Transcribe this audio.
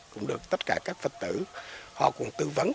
cũng được tất cả các vật tử tư vấn